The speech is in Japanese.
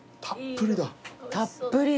たっぷりだ。